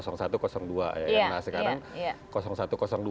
nah sekarang satu dua